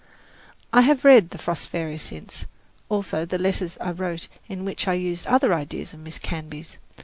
I have read "The Frost Fairies" since, also the letters I wrote in which I used other ideas of Miss Canby's.